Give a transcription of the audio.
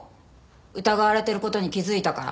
疑われてる事に気づいたから。